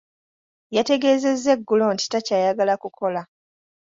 Yategeezezza eggulo nti takyayagala kukola.